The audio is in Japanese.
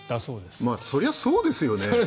そりゃそうですよね。